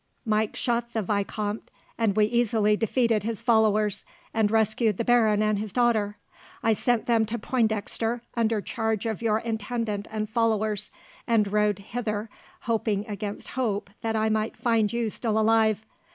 Mike shot the vicomte, and we easily defeated his followers, and rescued the baron and his daughter. I sent them to Pointdexter under charge of your intendant and followers, and rode hither, hoping against hope that I might find you still alive.